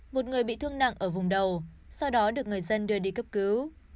một người bị thương nặng ở vùng đầu sau đó được người dân đưa đi cấp cứu